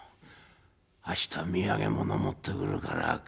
明日土産物持ってくるから勘弁しろよ」。